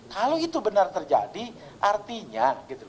kalau itu benar terjadi artinya gitu